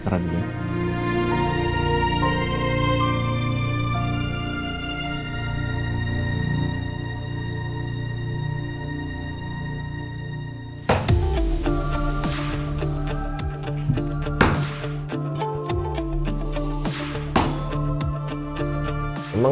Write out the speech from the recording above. kamu apa ada pembuatan uang